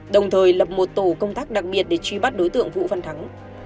đồng thời lập một tổ công tác đặc biệt để truy bắt đối tượng vũ văn thắng